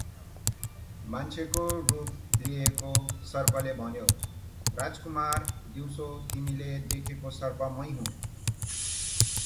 मान्छेको रूप लिएको सर्पले भन्यो, “राजकुमार, दिउँसो तिमीले देखेको सर्प मै हुँ ।